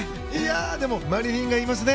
でもマリニンがいますね。